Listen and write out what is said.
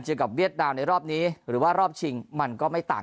เจอกับเวียดนามในรอบนี้หรือว่ารอบชิงมันก็ไม่ต่าง